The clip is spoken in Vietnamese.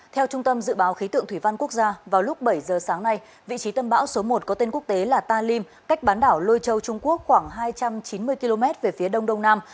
theo trung tâm dự báo khí tượng thủy văn quốc gia vào lúc bảy giờ sáng nay vị trí tâm bão số một có tên quốc tế là ta lim cách bán đảo lôi châu trung quốc khoảng hai trăm chín mươi km về phía đông đông nam